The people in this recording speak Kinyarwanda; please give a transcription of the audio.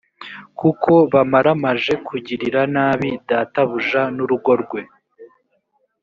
kuko bamaramaje kugirira nabi databuja n urugo rwe